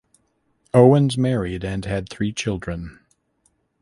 Owens married and had three children.